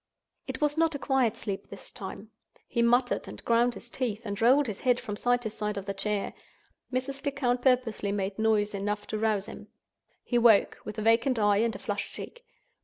It was not a quiet sleep this time. He muttered, and ground his teeth, and rolled his head from side to side of the chair. Mrs. Lecount purposely made noise enough to rouse him. He woke, with a vacant eye and a flushed cheek.